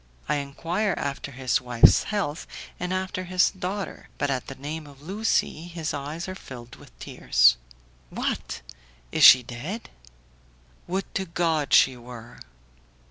I enquire after his wife's health, and after his daughter, but at the name of Lucie his eyes are filled with tears. "What! is she dead?" "Would to God she were!"